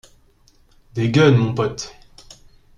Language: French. Des gueunes, mon pote !